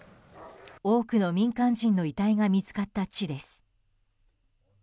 多くの民間人の遺体が見つかった地です。